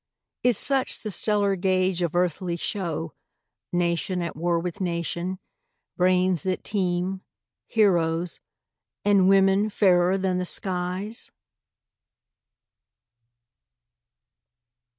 Is such the stellar gauge of earthly show, Nation at war with nation, brains that teem, Heroes, and women fairer than the skies?